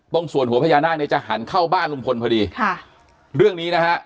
ตรงส่วนหัวพญานาคเนี่ยจะหันเข้าบ้านลุงพลพอดีค่ะเรื่องนี้นะฮะ